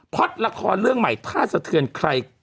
พล็อตละครเรื่องใหม่พลาดเสธือนใคร